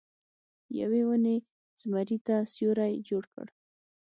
یوې ونې زمري ته سیوری جوړ کړ.